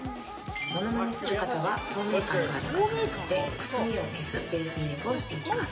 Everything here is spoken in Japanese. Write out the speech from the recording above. モノマネする方は透明感のある肌なのでくすみを消すベースメイクをしていきます。